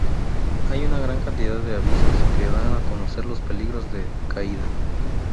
Hay una gran cantidad de avisos que dan a conocer los peligros de caída.